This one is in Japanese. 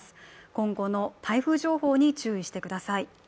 今後の台風情報に注意してください。